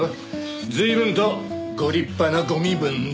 随分とご立派なご身分で。